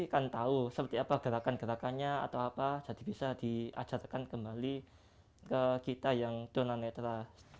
kan tahu seperti apa gerakan gerakannya atau apa jadi bisa diajarkan kembali ke kita yang tunanetra